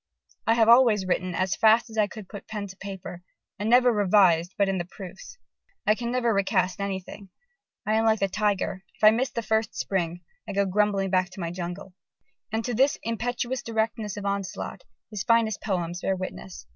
"I have always written as fast as I could put pen to paper, and never revised but in the proofs.... I can never recast anything. I am like the tiger; if I miss the first spring, I go grumbling back to my jungle." And to this impetuous directness of onslaught, his finest poems bear witness.